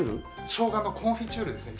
しょうがのコンフィチュールですね。